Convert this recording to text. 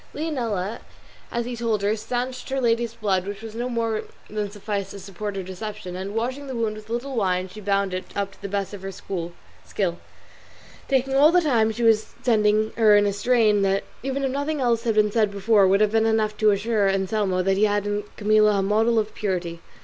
Leonela, as he told her, stanched her lady's blood, which was no more than sufficed to support her deception; and washing the wound with a little wine she bound it up to the best of her skill, talking all the time she was tending her in a strain that, even if nothing else had been said before, would have been enough to assure Anselmo that he had in Camilla a model of purity.